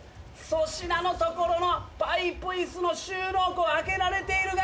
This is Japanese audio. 粗品のところのパイプ椅子の収納庫開けられているが。